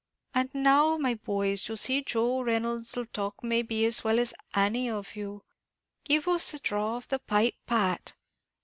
"And now, my boys, you'll see Joe Reynolds 'll talk may be as well as any of you. Give us a draw of the pipe, Pat."